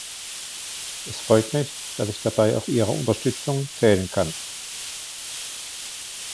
Es freut mich, dass ich dabei auf Ihre Unterstützung zählen kann.